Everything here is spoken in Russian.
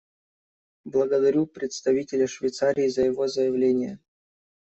Благодарю представителя Швейцарии за его заявление.